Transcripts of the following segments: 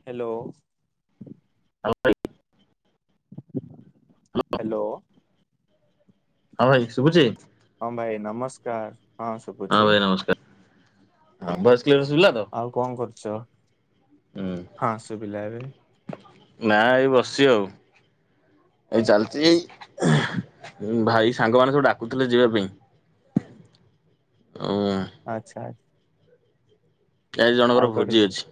Hello. ହଁ ଭାଇ। Hello. ହଁ ଭାଇ ଶୁଭୁଚି? ହଁ ଭାଇ ନମସ୍କାର ହଁ। ହଁ ଶୁଭୁଛି ଭାଇ ନମସ୍କାର। ହଁ ଭଏସ୍ କ୍ଲିୟର ସୁଭିଲାତ? ଆଉ କଣ କରୁଚ? ହୁଁ ହଁ ଶୁଭିଲା ଏବେ। ନା ଏଇ ବସିଚି ଆଉ। ଏଇ ଚାଲିଚି ଏଇ ଭାଇ ସାଙ୍ଗମାନେ ସବୁ ଡାକୁଥିଲେ ଯିବା ପାଇଁ। ଆଉ ଆଚ୍ଛା। କି ଆଜି ଆଉ ଜଣଙ୍କର କୁଆଡେ ଭୋଜି ଅଛି।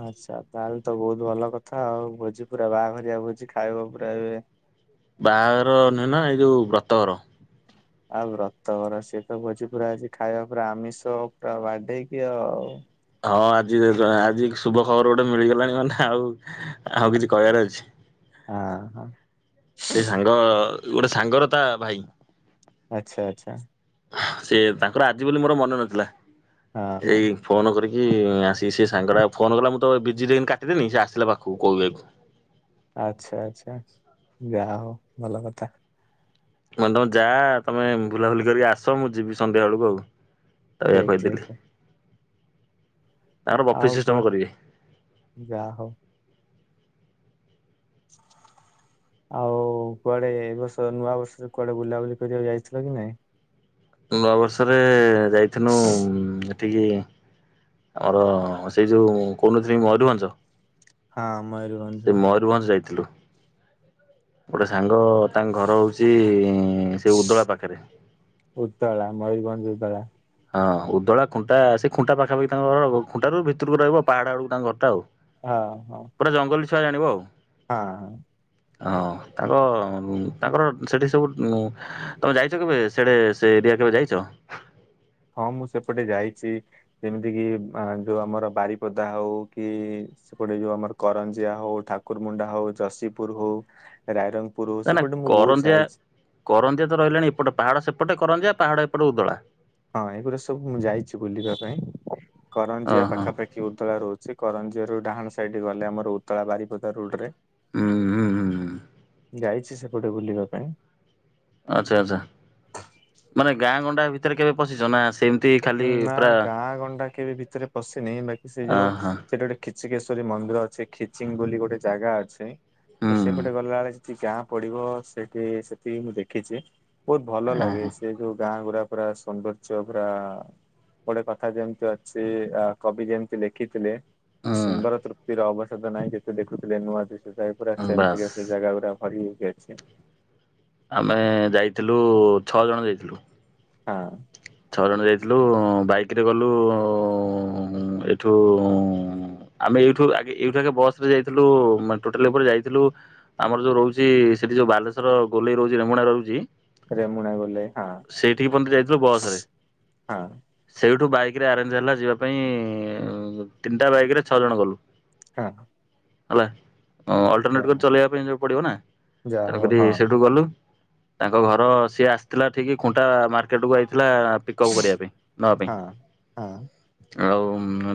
ଆଚ୍ଛା। ତା ହେଲେ ତ ବହୁତ ଭଲ କଥା ଆଉ ଭୋଜି ପୁରା ବାହାଘରିଆ ଭୋଜି ଖାଇବ ପୁରା ଏବେ। ବାହାଘର ନୋହେଁ ନା ଏଇ ଯୋଉ ବ୍ରତଘର। ଆଉ ବ୍ରତଘର ସିଏ ତ ଭୋଜି ପୁରା ଆଜି ଖାଇବା ପୁରା ଆମିଷ ପୁରା ବାଡେଇକି ଆଉ। ହଁ ଆଜି ଆଜି ଶୁଭ ଖବର ଗୋଟେ ମିଳିଗଲାଣି ମାନେ ଆଉ ଆଉ କିଛି କହିଆର ଅଛି? ହଁ ହଁ। ସେ ସାଙ୍ଗ ଗୋଟେ ସାଙ୍ଗର ତା ଭାଇ। ଆଚ୍ଛା ଆଚ୍ଛା। ସେ ତାଙ୍କର ଆଜି ବୋଲି ମୋର ମନ ନଥିଲା। ହଁ ହଁ ଏଇ ଫୋନ କରିକି ଆସିକି ସେ ସାଙ୍ଗଟା ଫୋନ କଲା ମୁଁ ତ ବିଜି ରେ କାଟିଦେନି ସେ ଆସିଲା ପାଖକୁ କହିବାକୁ। ଆଚ୍ଛା ଆଚ୍ଛା ଯାହା ହଉ ଭଲ କଥା। ମୁଁ କହିନି ତମେ ଯା ତମେ ବୁଲାବୁଲି କରିକି ଆସ ମୁଁ ଯିବି ସନ୍ଧ୍ୟା ବେଳକୁ ଆଉ। ଏଇଆ ଠିକ କହିଥିଲି। ଠିକ ଆଉ ସିଷ୍ଟମ କଣ କରିବେ ଯାହା ହଉ। [inaudible] ଆଉ କୁଆଡେ ଏ ବର୍ଷ ନୂଆ ବର୍ଷରେ କୁଆଡେ ବୁଲାବୁଲି କରିବାକୁ ଯାଇଥିଲ କି ନାଇଁ? ନୂଆବର୍ଷରେ ଯାଇଥିନୁ ଏଠିକି ଆମର ସେଇ ଯେଉଁ କହୁନଥିଲି କି ମୟୂରଭଞ୍ଜ। ହଁ ମୟୁରଭଞ୍ଜ। ରଭଞ୍ଜ ଯାଇଥିଲୁ। ଗୋଟେ ସାଙ୍ଗ ତାଙ୍କ ଘର ହଉଛି ସେଇ ଉଦଳା ପାଖରେ। ଉଦଳା ମୟୂରଭଞ୍ଜ ଉଦଳା। ହଁ ଉଦଳା ଖୁଣ୍ଟା ସେ ଖୁଣ୍ଟା ପାଖାପାଖି ତାଙ୍କ ଘର ଖୁଣ୍ଟାରୁ ଭିତରକୁ ରହିବ ପାହାଡ ବେଳକୁ ତାଙ୍କ ଘରଟା ଆଉ। ହଁ ହଁ। ପୁରା ଜଙ୍ଗଲି ଛୁଆ ଜାଣିବ ଆଉ। ହଁ। ହଁ ତାଙ୍କ ତାଙ୍କର ସେଠି ସବୁ ତମେ ଯାଇଛ କେବେ ସିଆଡେ ସେ ଏରିଆ କେବେ ଯାଇଛ? ହଁ ମୁଁ ସେପଟେ ଯାଇଛି ଯେମିତି କିି ଅ ଯୋଉ ଆମର ବାରିପଦା ହଉ କି ସେପଟେ ଯୋଉ ଆମର କରଞ୍ଜିଆ ହଉ ଠାକୁରମୁଣ୍ଡା ହଉ ଯଶୀପୁର ହଉ ରାଇରଙ୍ଗ ପରୁ ନା ନା ସେପଟେ ମୁଁ ବହୁତ କରଞ୍ଜିଆ ଯାଇଛି। କରଞ୍ଜିଆ ତ ରହିଲାଣି ଏପଟେ ପାହାଡ଼ ସେପଟେ କରଞ୍ଜିଆ ପାହାଡ଼ ଏପଟେ ଉଦଳା। ହଁ ଏଇଗୁଡା ସବୁ ମୁଁ ଯାଇଛି ବୁଲିବା ପାଇଁ କରଞ୍ଜିଆ ଓହୋ ପାଖାପାଖ ଏ ଉଦଳା ରହୁଛି କରଞ୍ଜିଆରୁ ଡାହାଣ ସାଇଡ ଗଲେ ଆମର ଉଦଳା ବାରିପଦା ରୋଡରେ। ହୁଁ ହୁଁ ହୁଁ ହୁଁ। ଯାଇଛି ସେପଟେ ବୁଲିବା ପାଇଁ। ଆଚ୍ଛା ଆଚ୍ଛା ମାନେ ଗାଁ ଗଣ୍ଡା ଭିତରେ କେବେ ପଶିଛ ନା ସେମ ନା ଗାଁ ଗଣ୍ଡା କେବେ ଭିତରେ ପଶିନି ବାକି ସେ ଯୋଉ ଅହ ସେଠି ଗୋଟେ ଖିଚିକେଶ୍ୱରୀ ମନ୍ଦିର ଅଛି ଖିଚିଙ୍ଗ ବୋଲି ଗୋଟେ ଜାଗା ଅଛି ତ ହୁଁ ସେପଟେ ଗଲାବେଳେ କି ଗାଁ ପଡିବ ସେଠି ସେତିକି ମୁଁ ଦେଖିଛି ବହୁତ ଭଲ ଅହ ଲାଗେ ସେ ଯୋଉ ଗାଁ ଗୁଡା ପୁରା ସୌନ୍ଦର୍ଯ୍ୟ ପୁରା ଗୋଟେ କଥା ଯେମିତି ଅଛି ଆ କବି ଯେମିତି ଲେଖିଥିଲେ। ହୁଁ ସୁନ୍ଦର ତୃପ୍ତି ର ଅବସାଦ ନାହିଁ ଯେତେ ଦେଖୁଥିଲେ ନୂଆ ଦିଶୁଥାଇ। ପୁରା ବାସ୍ ସେମତିକା ସେ ଜାଗାଗୁରା। ଭରିହେଇକି ଅଛି। ଆମେ ଯାଇଥିଲୁ ଛଅ ଜଣ ଯାଇଥିଲୁ। ହଁ। ଛଅ ଜଣ ଯାଇଥିଲୁ ବାଇକ୍ରେ ଗଲୁ ଏଠୁ ଆମେ ଏଇଠୁ ଆଗେ ଏଇଠୁ ଆଗେ ବସରେ ଯାଇଥିଲୁ ମାନେ ଟୋଟାଲ ଉପରେ ଯାଇଥିଲୁ ଆମର ଯୋଉ ରହୁଛି ସେଠି ଯୋଉ ବାଲେଶ୍ଵର ଗୋଲେଇ ରହୁଛି ରେମୁଣା ରହୁଛି। ରେମୁଣା ଗୋଲାଇ ହଁ ସେଇଠିକି ପର୍ଯ୍ୟନ୍ତ ଯାଇଥିଲୁ ବସରେ। ହଁ। ସେଇଠୁ ବାଇକରେ ଆରେଞ୍ଜ ହେଲା ଯିବା ପାଇଁ ତିନିଟା ବାଇକରେ ଛଅଜଣ ଗଲୁ। ହଁ। ହେଲା ଅ ଅଲଟରନେଟ୍ କରି ଯାହା ଚଲେଇବା ପାଇଁ ଯ ପଡ଼ିବ ନା ଯାହା ହଉ ତେଣୁକରି ହଁ ସେଇଠୁ ଗଲୁ। ତାଙ୍କ ଘର ସିଏ ଆସିଥିଲା ଠିକ ଖୁଣ୍ଟା ମାର୍କେଟକୁ ଆଇଥିଲା ପିକଅପ୍ କରିବା ପାଇଁ। ନବା ପାଇଁ। ହଁ ହଁ ଆଉ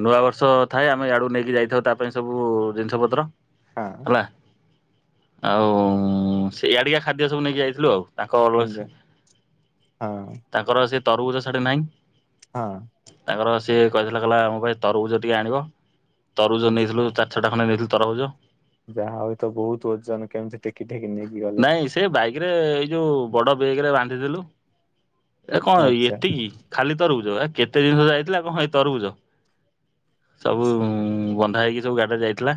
ନୂଆ ବର୍ଷ ଥାଏ ଆମେ ଆଡୁ ନେଇକି ଯାଇଥାଉ ତା ପାଇଁ ସବୁ ଜିନିଷ ପତ୍ର। ହଁ। ହେଲା ଆଉ ସିଆଡ଼ିକିଆ ଖାଦ୍ୟ ସବୁ ନେଇକି ଯାଇଥିଲୁ ଆଉ। ତାଙ୍କ ଯା ହଁ ତାଙ୍କର ସେ ତରଭୁଜ ସାଡେ ନାହିଁ। ହଁ। ତାଙ୍କର ସିଏ କହିଥିଲା କହିଲା ମୋ ପାଇଁ ତରଭୁଜ ଟିକେ ଆଣିବ ତରଭୁଜ ଆଚ୍ଛା। ନେଇଥିଲୁ ଚାର ଚାରି ଛଟା ଖଣ୍ଡେ ନେଇଥିଲୁ ତରଭୁଜ। ଯାହା ହଉ ତ ବହୁତ ଓଜନ କେମିତି ଟେକି ଟେକି ନେଇ ନାଇଁ ସେ ବାଇକରେ ଏଇ ଯୋଉ ବଡ ବେଗରେ ବାନ୍ଧିଦେଲୁ। ଏ କଣ ଆଚ୍ଛା ଏତିକି ଖାଲି ତରଭୁଜ ଏ କେତେ ଜିନିଷ ଯାଇଥିଲା କଣ ଏଇ ତରଭୁଜ। ସବୁ ବନ୍ଧା ହୋଇଇକି ସବୁ ଗାଡ଼ିରେ ଯାଇଥିଲା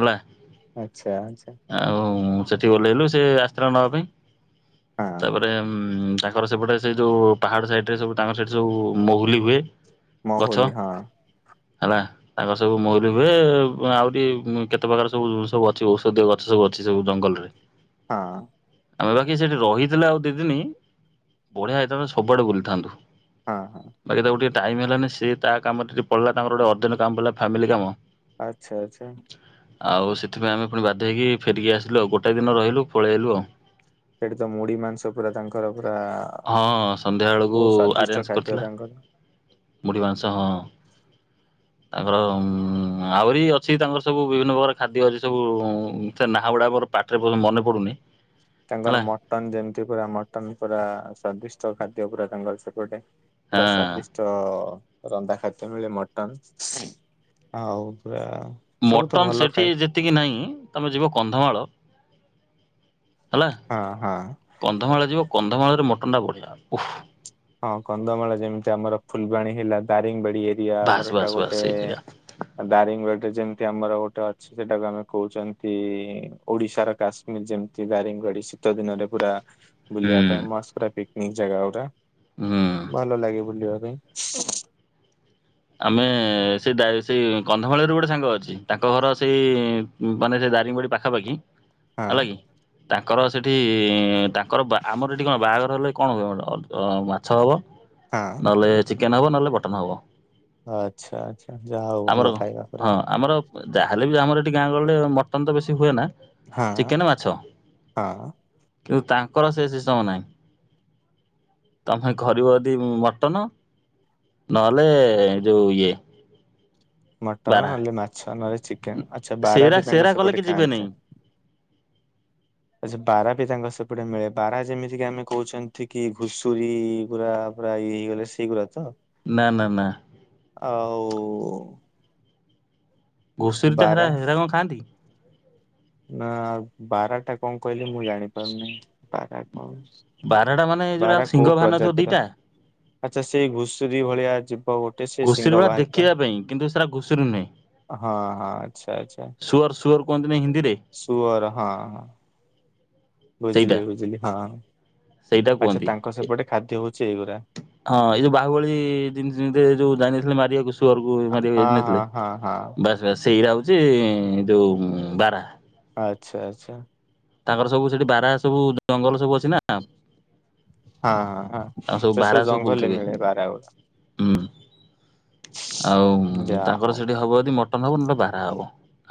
ହେଲା। ଆଚ୍ଛା ଆଚ୍ଛା। ଆଉ ସେଠି ଓଲ୍ହେଇଲୁ ସେ ଆସି ଥିଲା ନବା ପାଇଁ ହଁ ତାପରେ ତାଙ୍କର ସେପଟେ ସେ ଯୋଉ ପାହାଡ ସାଇଡରେ ସବୁ ତାଙ୍କର ସେଇଠି ସବୁ ମହୁଲି ହୁଏ। ଗଛ। ମହୁଲି ହଁ ହେଲା ତାଙ୍କର ସବୁ ମହୁଲି ହୁଏ ଆହୁରି କେତେ ପ୍ରକାର ସବୁ ସବୁ ଅଛି ଔଷଧୀୟ ଗ ସବୁ ଅଛି ସବୁ ଜଙ୍ଗଲରେ। ହଁ। ଆମେ ବାକି ସେଇଠି ରହିଥିଲେ ଆଉ ଦିଦିନି ବଢ଼ିଆ ହେଇଥାତା ସବୁଆଡେ ବୁଲିଥାନ୍ତୁ। ହଁ ହଁ ବାକି ତାକୁ ଟିକେ। ଟାଇମ ହେଲାନି ସିଏ ତା କାମରେ ଟିକେ ପଳେଇଲା ତାଙ୍କର ଗୋଟେ ଅଜେଣ୍ଟ କାମ ପଡିଲା ଫାମିଲ କାମ। ଆଚ୍ଛା ଆଚ୍ଛା। ଆଉ ସେଥିପାଇଁ ଆମେ ପୁଣି ବାଧ୍ୟ ହେଇକି ଫେରିକି ଆସିଲୁ ଆଉ ଗୋଟାଏ ଦିନ ରହିଲୁ ପଳେଇ ଆଇଲୁ ଆଉ। ସେଠି ତ ମୁଢି ମାଂସ ପୁରା ତାଙ୍କର ପୁରା ହଁ ସନ୍ଧ୍ୟା ବେଳକୁ ବହୁତ ସ୍ଵାଦିଷ୍ଟ ଖାଦ୍ୟ ତାଙ୍କର। ମୁଢ଼ି ମାଂସ ହଁ। ତାଙ୍କର ଉ ଆହୁରି ଅଛି ତାଙ୍କର ସବୁ ବିଭିନ୍ନ ପ୍ରକାର ଖାଦ୍ୟ ଅଛି ସବୁ ସେ ନା ଗୁଡା ମୋର ପାଟିରେ ପଶୁନି ମନେ ପଡୁନି। ତାଙ୍କର ହେଲା ମଟନ ଯେମିତି ପୁରା ମଟନ ପୁରା ସ୍ଵାଦିଷ୍ଟ ଖାଦ୍ୟ ପୁରା ତାଙ୍କର ସେପଟେ। ପୂରା ହଁ ସ୍ୱାଦିଷ୍ଟ। ତ ରନ୍ଧା ଖାଦ୍ୟ ମିଳେ ମଟନ ଆଉ ପୁରା। ସବୁ ତ ମଟନ୍ ଭଲ ସେଠି ଖାଏ ଯେତିକି ନାହିଁ ତମେ ଯିବ କନ୍ଧମାଳ ହେଲା। ହଁ ହଁ। କନ୍ଧମାଳ ଯିବ କନ୍ଧମାଳରେ ମଟନ ଟା ବଢିଆ ଓଃ ହଁ କନ୍ଧମାଳ ଯେମିତି ଆମର ଫୁଲବାଣୀ ହେଲା ଦାରିଙ୍ଗବାଡି ଏରିଆ ବାସ୍ ଆମର ଏଇଟା ବାସ୍ ବାସ୍ ଗୋଟେ ସେଇ ଜାଗା ଦାରିଙ୍ଗ ବାଡ଼ି ଯେମିତି ଆମର ଗୋଟେ ଅଛି ସେଟାକୁ ଆମେ କହୁଛନ୍ତି ଓଡିଶାର କାଶ୍ମୀର ଯେମିତି ଦାରିଙ୍ଗବାଡି ଶୀତ ଦିନରେ ପୁରା। ବୁଲିବା ହୁଁ। ପାଇଁ ମସ୍ତ ପୁରା ପିକନିକ ଜାଗା ଗୁରା। ହୁଁ। ଭଲ ଲାଗେ ବୁଲିବା ପାଇଁ। ଆମେ ସେ ଦାରି ସେଇ କନ୍ଧମାଳରେ ଗୋଟେ ସାଙ୍ଗ ଅଛି ତାଙ୍କ ଘର ସେଇ ମାନେ ସେ ଦାରିଙ୍ଗବାଡି ପାଖାପାଖି ହେଲା ହଁ କି। ତାଙ୍କର ସେଠି ତାଙ୍କର ଆମର ଏଠି କଣ ବାହାଘର ହେଲେ କଣ ହବ ମାଛ ହବ। ହଁ। ହାଲୋ ଚିକେନ ହବ ନହେଲେ ମଟନ ହବ। ଆଚ୍ଛା ଆଚ୍ଛା, ଯାହା ହଉ, ଭଲ ଖାଇବା ପୁରା। ଯା ହେଲେ ବି, ଆମର ଏଠି ଗାଁ ଗହଳିରେ ମଟନ ତ ବେଶୀ ହୁଏ ନା। ହଁ ଚିକେନ, ମାଛ, ହଁ କିନ୍ତୁ ତାଙ୍କର ସେ ସିଷ୍ଟମ ନାହିଁ। ତମେ କରିବ ଯଦି, ମଟନ ନହେଲେ ଯଉ ଇଏ। ମଟନ ବାରାହା ନହେଲେ ମାଛ, ନହେଲେ ଚିକେନ। ଆଚ୍ଛା, ବାରାହା ସେରା ବି ସେରା ତାଙ୍କ କଲେ କି ସେପଟେ ଯିବେନି ଖାଆନ୍ତି। ଆଚ୍ଛା, ବାରାହା ବି ତାଙ୍କ ସେପଟେ ମିଳେ। ବାରାହା, ଯେମିତି କି ଆମେ କହୁଛନ୍ତି କି, ଘୁଷୁରୀ ଗୁରା ପୁରା ଇଏ ହେଇଗଲେ ସେ ଗୁରାତ। ନା ନା ନା। ଆଉ। ଘୁଷୁରୀ ତ ହେରା ବାରା ହେରା କଣ ଖାଆନ୍ତି? ନା ବାରାହାଟା କଣ କହିଲେ, ମୁଁ ଜାଣି ପାରୁନି। ବାରା କଣ? ବାରହାଟା ମାନେ ଯଉଟା ବାରା କୋଉ ସିଂହ ଭାରିନଥିବ ପ୍ରଜାତିର ଦିଟା। ଆଚ୍ଛା, ସେଇ ଘୁଷୁରୀ ଭଳିଆ ଯିବ ଗୋଟେ। ସେ ଘୁଷୁରୀ ଶିଙ୍ଗ ଭଳି ବାହାରିଥାଏ ଦେଖିବା ପାଇଁ କିନ୍ତୁ ସେଟା ଘୁଷୁରୀ ନୁହେଁ। ହଁ ହଁ, ଆଚ୍ଛା ଆଚ୍ଛା। [unintelligible] କୁହନ୍ତି ନି ହିନ୍ଦୀରେ। ସୁଅର ହଁ, ସେଇଟା ବୁଝଲି ବୁଝଲି, ହଁ। ସେଇଟା ଆଚ୍ଛା, କୁହନ୍ତି। ତାଙ୍କ ସେପଟେ ଖାଦ୍ୟ ହଉଛି ଏଇଗୁଡା। ହଁ, ଏଇ ବାହୁବଳୀ ଯୋଉ ଜାଇନଥିଲେ ମାରିବାକୁ ସୁୱରକୁ ମାରିବାକୁ ହଁ ଯାଇ ହଁ ନଥିଲେ? ହଁ ହଁ ବାସ୍ ବାସ୍, ସେଇଟା ହେଉଛି ଯେଉଁ ବାରାହା। ଆଚ୍ଛା ଆଚ୍ଛା। ତାଙ୍କର ସବୁ ସେଠି ବାରାହା ସବୁ ଜଙ୍ଗଲ ସବୁ ଅଛି ନା। ହଁ ହଁ ହଁ, ସେ ସବୁ ଜଙ୍ଗଲରେ ମିଳେ ବାରାହା। ହୁଁ। ଆଉ, ଯା ତାଙ୍କର ହଉ ସେଠି ହବ ଯଦି ମ ମଟନ ହବ, ନହେଲେ ବାରାହା ହବ।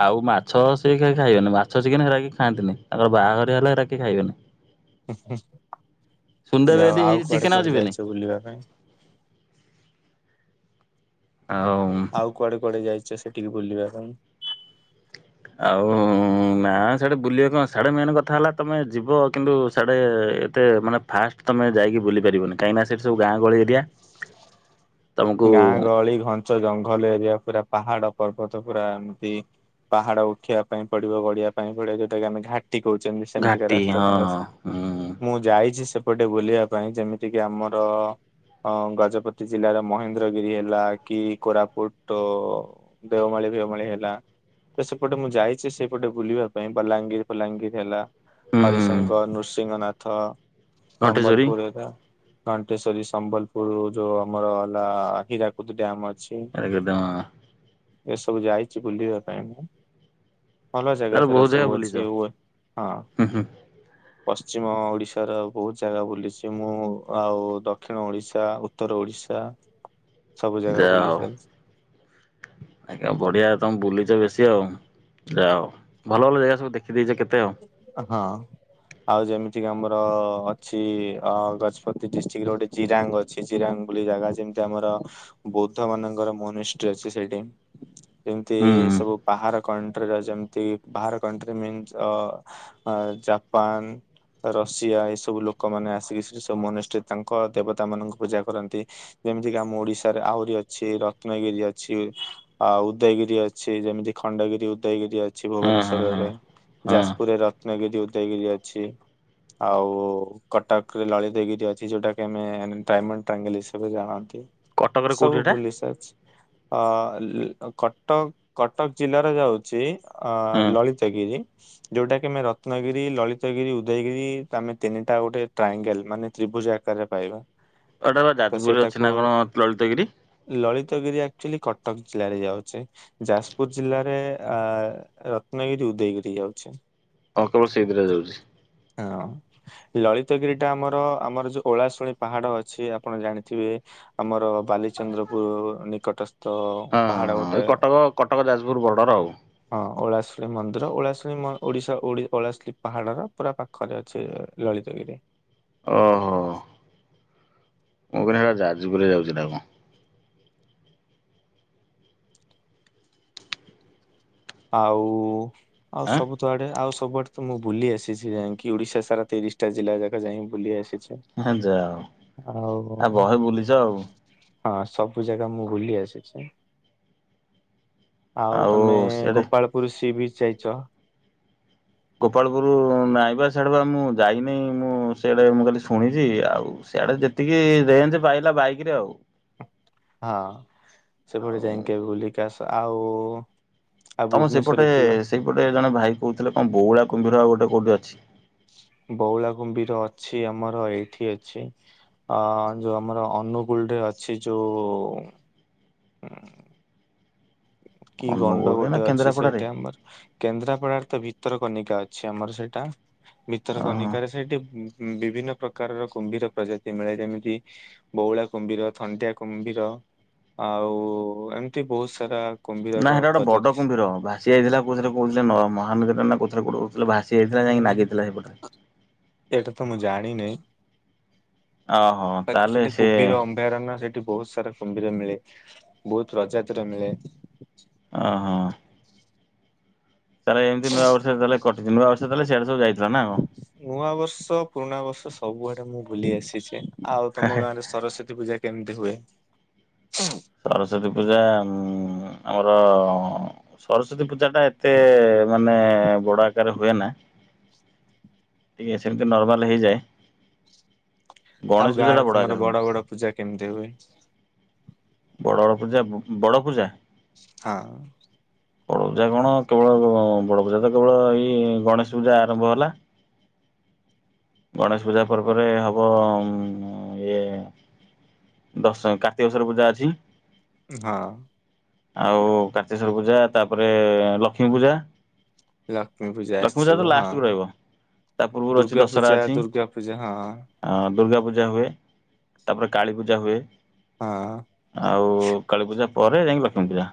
ଆଉ ମାଛ, ସେ କିଏ ଖାଇ ଖାଇବନି ମାଛ ଚିକେନ ସେଗୁରା କେହି ଖାଆନ୍ତିନି। ତାଙ୍କର ବାହାଘର ହେଲେ ଏଇଗୁରା କେହି ଖାଇବେନି। [unintelligible] ସୁନଦେବେ ଯାଉ ଯଦି ହେଇ ଆଉ କୁଆଡେ ଚିକେନ କୁଆଡେ ଯିବେନି ଯାଇଛ ବୁଲିବା ପାଇଁ? ଆଉ ଆଉ କୁଆଡେ କୁଆଡେ ଯାଇଛ ସେଠିକି ବୁଲିବା ପାଇଁ? ଆଉ ନା, ସାଡେ ବୁଲିବା କଣ ସାଡେ ମେନ୍ କଥା। ହେଲା ତମେ ଯିବ କିନ୍ତୁ ସାଡେ ଏତେ ମାନେ ଫାଷ୍ଟ ତମେ ଯାଇକି ବୁଲି ପାରିବନି, କାହିଁକିନା ସେଠି ସବୁ ଗହଳି ଏରିଆ। ତମକୁ ଗାଁ ଗହଳି, ଘଞ୍ଚ ଜଙ୍ଗଲ ଏରିଆ, ପୁରା ପାହାଡ ପର୍ବତ ପୁରା ଏମିତି ପାହାଡ ଉଠିବା ପାଇଁ ପଡିବ, ଗଢିବା ପାଇଁ ପଡିବ, ଯଉଟା କି ଆମେ ଘା ଟି କହୁଛନ୍ତି, ସେମତିକା ଘାଟି ରାସ୍ତା ହଁ ହୁଁ ତାଙ୍କର ଯାଇଛି ସେପଟେ ବୁଲିବା ପାଇଁ, ଯେମିତି କିି ଆମର ଅ ଗଜପତି ଜିଲ୍ଲାର ମହେନ୍ଦ୍ରଗିରି ହେଲା, କି କୋରାପୁଟ ଦେଓମାଳି ଫିଓମାଳି ହେଲା। ତ ସେପଟେ ମୁଁ ଯାଇଛି, ସେଇପଟେ ବୁଲିବା ପାଇଁ। ବଲାଙ୍ଗୀର ଫଲାଙ୍ଗୀର ହେଲା। ହୁଁ ହୁଁ ହରିଶଙ୍କର, ନୃସିଂହନାଥ, ଘଣ୍ଟେଶ୍ଵରୀ ସମ୍ବଲପୁର, ହରିୟା ଘଣ୍ଟେଶ୍ୱରୀ, ସମ୍ବଲପୁର ଯୋଉ ଆମର ହେଲା ହୀରାକୁଦ ଡ୍ୟାମ ଅଛି। [unintelligible] ଏସବୁ ଯାଇଛି ବୁଲିବା ପାଇଁ ମୁଁ। ଭଲ ଜାଗା ସେଇଗୁରା ବହୁତ ଜାଗା ସବୁ ବୁଲିଛ ଅଛି ଓ ଏ ହଁ। ହୁଁ ହୁଁ ପଶ୍ଚିମ ଓଡିଶାର ବହୁତ ଜାଗା ବୁଲିଛି ମୁଁ। ଆଉ ଦକ୍ଷିଣ ଓଡିଶା, ଉତ୍ତର ଓଡ଼ିଶା, ଯାହା ହଉ। ଆଜ୍ଞା ବଢିଆ ତମେ ବୁଲିଛ ବେଶୀ ଆଉ। ଯାହା ହଉ, ଭଲ ଭଲ ଜାଗା ସବୁ ଦେଖିଦେଇଛ କେତେ ଆଉ। ହଁ। ଆଉ ଯେମିତି କି ଆମର ଅଛି ଅ ଗଜପତି ଡିଷ୍ଟ୍ରିକ୍ଟ ର ଗୋଟେ ଜିରାଙ୍ଗ୍ ଅ ଅଛି ଜିରାଙ୍ଗ ବୋଲି ଜାଗା ଯେମିତି ଆମର ବୌଦ୍ଧ ମାନଙ୍କର ମୋନିଷ୍ଟ୍ରୀ ଅଛି ସେଇଠି। ଯେମିତି ହୁଁ ହୁଁ ସବୁ ପାହାର କଣ୍ଟ୍ରି ର ଯେମିତି ପାହାର କଣ୍ଟ୍ରିନ୍ ମିନ୍ସ ଅ ଜାପାନ୍ ରଷିଆ ଏ ସବୁ ଲୋକମାନେ ଆସିକି ସେ ସବୁ ମନୁଷ୍ଠରେ ତାଙ୍କ ଦେବତା ମାନଙ୍କୁ ପୂଜା କରନ୍ତି। ଯେମିତି କି ଆମ ଓଡିଶାରେ ଆହୁରି ଅଛି। ରତ୍ନଗିରି ଅଛି। ଆଉ ଉଦୟଗିରି ଅଛି। ଯେମିତି ଖଣ୍ଡଗିରି ଉଦୟଗିରି ଅଛି ହଁ ହଁ ହଁ। ଭୁବନେଶ୍ୱରରେ। ହଁ ଯାଜପୁରରେ ରତ୍ନଗିରି ଉଦୟଗିରି ଅଛି। ଆଉ କଟକରେ ଲଳିତଗିରି ଅଛି, ଯୋଉଟା କି ଆମେ ଡାଇମଣ୍ଡ ଟ୍ରାଙ୍ଗଲ ହିସାବରେ ଜାଣନ୍ତି। କଟକରେ କୋଉଠି ସବୁ ଏଟା ଭୁଲି ସାରିଛି। ଅ କଟକ କଟକ ଜିଲ୍ଲାର ଯାଉଚି ଅ ହଁ ଲଳିତଗିରି। ଯୋଉଟା କି ଆମେ ରତ୍ନଗିରି, ଲଳିତଗିରି, ଉଦୟଗିରି ଆମେ ତିନିଟା ଗୋଟେ ଟ୍ରାଙ୍ଗେଲ୍ ମାନେ ତ୍ରିଭୁଜ ଆକାରରେ ପାଇବା। ଏଟା ବା ତ ଯାଜପୁରରେ ଅଛି ସେଇଟାକୁ ନା କଣ ଲଳିତଗିରି। ଲଳିତଗିରି ଆକ୍ଚୁଆଲି କଟକ ଜିଲ୍ଲାରେ ଯାଉଚି। ଯାଜପୁର ଜିଲ୍ଲାରେ ଅ ରତ୍ନଗିରି ଉଦୟଗିରି ଯାଉଛି। ହଁ କେବଳ ସେଇ ଦିଟା ଯାଉଚି। ହଁ। ଲଳିତଗିରି ଟା ଆମର ଆମର ଯୋଉ ଓଳାଶୁଣି ପାହାଡ ଅଛି ଆପଣ ଜାଣିଥିବେ। ଆମର ବାଲିଚନ୍ଦ୍ରପୁର ନିକଟସ୍ ହଁଁ ହଁ ହଁ ଏ କଟକ କଟକ ଯାଜପୁର ବର୍ଡର ଆଉ। ହଁ ଓଳାଶୁଣୀ ମନ୍ଦିର ଓଳାଶୁଣି ମ ଓଡ଼ିଶା ଓଡ଼ି ପଳାଶ୍ରୀ ପାହାଡର। ପୁରା ପାଖରେ ଅଛି ଲଳିତଗିରି। ଓହୋ। ମୁଁ କହିଲି ହେରା ଯାଜପୁରରେ ଯାଉଛି ନା କଣ। ଆଉ ଆଉ ଆଁ ସବୁ ଆଡେ ଆଉ ସବୁଆଡେ ମୁଁ ବୁଲି ଆସିଛି ଯାଇଙ୍କି ଓଡ଼ିଶା ସାରା ତିରିଶଟା ଜିଲ୍ଲା ଯାକ ଯାଇଙ୍କି ବୁଲି ଆସିଛି। ହେ ଯାହାହଉ, ଆଉ ଆ ବହେ ବୁଲିଛ ଆଉ। ହଁ ସବୁ ଜାଗା ମୁଁ ବୁଲି ଆସିଛି। ଆଉ ତମେ ଗୋପାଳପୁର ସି ବିଚ୍ ଯାଇଛ? ଗୋପାଳପୁର ନାଇଁବା ସେଆଡ଼େ ବା ମୁଁ ଯାଇନି ମୁଁ ସେଆଡେ ମୁଁ କାଲି ଶୁଣିଚି ଆଉ ସେଆଡେ ଯେ ଟିକେ ରେଞ୍ଜ ପାଇଲା ବାଇକ ରେ ଆଉ। ଟି ହଁ ସେପଟେ ଆଉ ଯାଇକି କେବେ ବୁଲିକି ଆସ ଆଉ ଆଉ ତମ ସେପଟେ ଭୁବନେଶ୍ଵରରେ ଥିବା ସେଇପଟେ ଜଣେ ଭାଇ କହୁଥିଲେ କଣ ବଉଳା କୁମ୍ଭୀର ଆଉ ଗୋଟେ କୋଉଠି ଅଛି? ବଉଳା କୁମ୍ଭୀର ଅଛି ଆମର ଏଇଠି ଅଛି। ଅ ଯୋଉ ଆମର ଅନୁଗୁଳ ରେ ଅଛି ଯୋଉ ହଁ। କି ଗଣ୍ଡ ଅନୁଗୁଳରେ ନା ଗୋଟେ ଅଛି କେନ୍ଦ୍ରାପଡାରେ ସେଇଟା ଆମର କେନ୍ଦ୍ରାପଡାରେ ତ ଭିତରକନିକା ଅଛି ଆମର ସେଇଟା। ଓହୋ। ଭିତରକନିକାରେ ସେଇଠି ବି ବିଭିନ୍ନ - - ପ୍ରକାରର କୁମ୍ଭୀର ପ୍ରଜାତି ମିଳେ ଯେମିତି ବଉଳା କୁମ୍ଭୀର ଥଣ୍ଟିଆ କୁମ୍ଭୀର ଆଉ ଏମିତି ବହୁତ୍ ସାରା ନା କୁମ୍ଭୀରର ହେଇଟା ଗୋଟେ ପ୍ରଜାତି ବଡ କୁମ୍ଭିର ବା - - ସିଏ ହେଇଥିଲା କହୁଥିଲେ କହୁଥିଲେ ମହା ନଦୀ କଉଥିରେ କହୁଥିଲେ ଭାସି ଆଇଥିଲା ଯାଇକି ହୁଁ ନାଗିଥିଲା ସେପଟେ ରେ ଏଇଟା ତ ମୁଁ ଜାଣିନି ଓହୋ ବାକି ତାହେଲେ ସେଟି ସେ କୁବିର - - ଅଭୟାରଣ୍ୟ ସେଠି ବହୁତ୍ ସାରା କୁମ୍ଭୀର ମିଳେ ବହୁତ୍ ପ୍ରଜାତିରେ ମିଳେ ଆହ। ତାହେଲେ ଏମିତି ନୂଆବର୍ଷ ତାହେଲେ କଟିଛି ନୂଆ ବର୍ଷରେ ତା ହେଲେ ସେଆଡେ ସବୁ ଯାଇଥିଲ ନା କଣ? ନୂଆ ବର୍ଷ ପୁରୁଣା ବର୍ଷ ସବୁଆଡେ ମୁଁ ଭୁଲି ଆସିଛି। ଆଉ ହେ ତମ ହେ। ଗାଁ ରେ ସରସ୍ଵତୀ ପୂଜା କେମିତି ହୁଏ? ସରସ୍ଵତୀ ପୂଜା ଆମର ସରସ୍ଵତୀ ପୂଜା ଟା ଏତେ ମାନେ ବଡ ଆକାରରେ ହୁଏ ନାହିଁ ଇଏ ସେମିତି ନର୍ମାଲ ହେଇଯାଏ। ଆଉ ଗଣେଶ ଗାଁ ପୂଜାଟା ରେ ବଡ଼ ତୁମର ଆକାରରେ ହୁଏ। ବଡ ବଡ ପୂଜା କେମିତି ହୁଏ? ବଡ଼ ବଡ଼ ପୂଜା କୁ ବଡ ପୂଜା? ହଁ। ବଡ଼ ପୂଜା କଣ କେବଳ ବଡ଼ ପୂଜା ତ କେବଳ ଏଇ ଗଣେଶ ପୂଜା ଆରମ୍ଭ ହେଲା। ଗଣେଶ ପୂଜା ପରେ ପରେ ହବ ଇଏ ଦଶ କାର୍ତ୍ତିକେଶ୍ଵର ପୂଜା ଅଛି। ହଁ। ଆଉ କାର୍ତ୍ତିେକେଶ୍ଵର ପୂଜା ତାପରେ ଲକ୍ଷ୍ମୀ ପୂଜା। ଲକ୍ଷ୍ମୀ ଲକ୍ଷ୍ମୀ ପୂଜା ତ ଆସିବ ହଁ ଲାଷ୍ଟକୁ ରହିବ ତା ପୂର୍ବରୁ ଅଛି ଦୁର୍ଗା ଦଶହରା ପୂଜା ଅଛି। ଦୁର୍ଗା ପୂଜା ହଁ ହଁ। ଅ ଦୁର୍ଗା ପୂଜା ହୁଏ ତାପରେ କାଳୀପୂଜା ହୁଏ। ହଁ। ଆଉ କାଳୀ ପୂଜା ପରେ ଯାଇକି ଲକ୍ଷ୍ମୀ ପୂଜା।